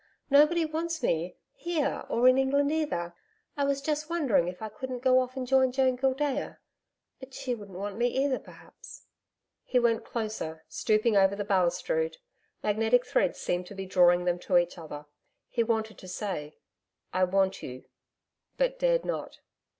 Nobody wants me here or in England either. I was just wondering if I couldn't go off and join Joan Gildea.... But she wouldn't want me either, perhaps.' He went closer, stooping over the balustrade. Magnetic threads seemed to be drawing them to each other. He wanted to say, 'I want you,' but dared not.